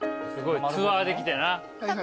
ツアーで来てな。